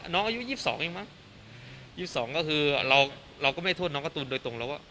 น้องอายุยิบสองอีกมั้งยิบสองก็คือเราเราก็ไม่ทวนน้องกระตูนโดยตรงเราว่า